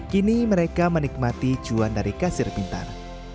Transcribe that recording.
kini mereka menikmati cuan dari kasir pintar